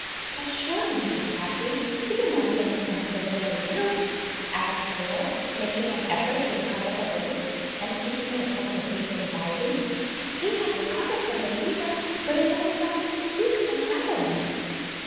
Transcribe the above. "But surely, Mrs. Crabtree, you do not think Frank so very ill," asked Laura, making an effort to recover her voice, and speaking in a tone of deep anxiety; "he had recovered from the fever, but is only rather too weak for travelling."